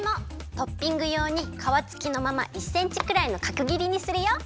トッピングようにかわつきのまま１センチくらいのかくぎりにするよ。